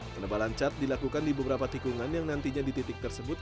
penebalan cat dilakukan di beberapa tikungan yang nantinya di titik tersebut